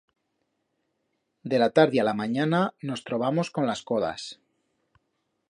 De la tardi a la manyana nos trobamos con las codas.